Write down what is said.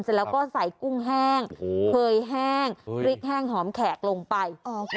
เสร็จแล้วก็ใส่กุ้งแห้งเคยแห้งพริกแห้งหอมแขกลงไป